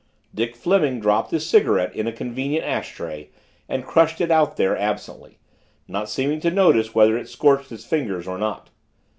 Dick Fleming dropped his cigarette in a convenient ash tray and crushed it out there, absently, not seeming to notice whether it scorched his fingers or not.